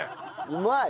うまい！